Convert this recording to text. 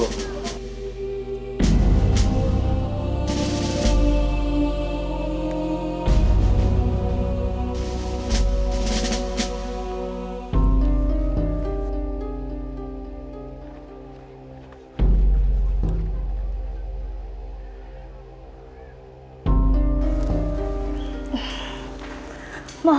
mohon ampun rumah